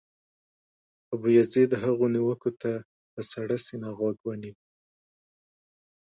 ابوزید هغو نیوکو ته په سړه سینه غوږ ونیو.